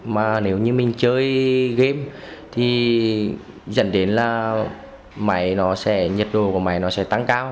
mà nếu như mình chơi game thì dẫn đến là máy nó sẽ nhiệt độ của máy nó sẽ tăng cao